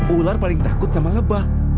ular paling takut sama lebah